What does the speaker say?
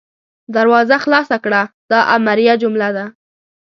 دروازه خلاصه کړه – دا امریه جمله ده.